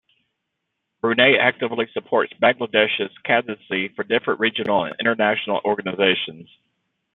Brunei actively supports Bangladesh's candidacy for different regional and international organisations.